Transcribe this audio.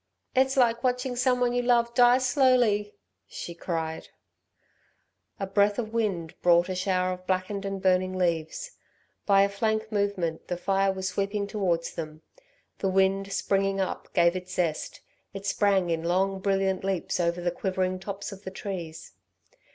"It's like watching someone you love die slowly," she cried. A breath of wind brought a shower of blackened and burning leaves. By a flank movement the fire was sweeping towards them. The wind springing up gave it zest; it sprang in long brilliant leaps over the quivering tops of the trees.